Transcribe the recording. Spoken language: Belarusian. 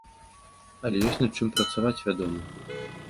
Але ёсць над чым працаваць, вядома!